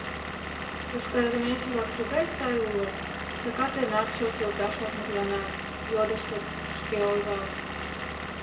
Йошкарармеец-влак тугай сай улыт — Сакар денат чылт йолташлак мутланат, йодыштыт, шке ойлат.